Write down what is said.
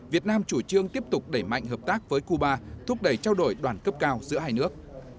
việt nam chủ trương tiếp tục đẩy mạnh hợp tác với cuba thúc đẩy trao đổi đoàn cấp cao giữa hai nước